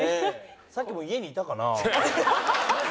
さっきも家にいたかな。